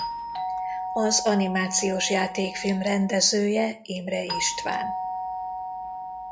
Az animációs játékfilm rendezője Imre István.